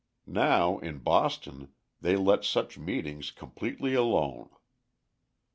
Now, in Boston, they let such meetings completely alone.